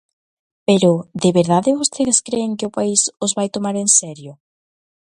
Pero ¿de verdade vostedes cren que o país os vai tomar en serio?